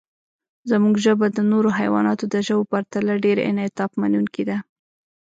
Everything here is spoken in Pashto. زموږ ژبه د نورو حیواناتو د ژبو په پرتله ډېر انعطافمنونکې ده.